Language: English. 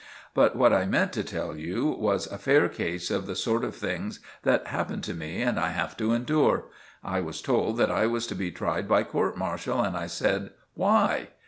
But what I meant to tell you was a fair case of the sort of things that happen to me and I have to endure. I was told that I was to be tried by court martial, and I said "Why?"